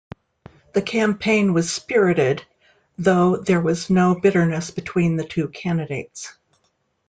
The campaign was "spirited," though there was no bitterness between the two candidates.